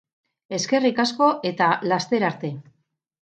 Eskerrik asko eta laster arte.